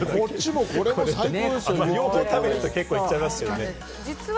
量を食べると結構いっちゃいますけれどもね。